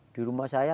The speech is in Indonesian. di rumah saya